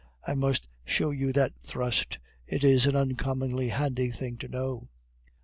I must show you that thrust; it is an uncommonly handy thing to know."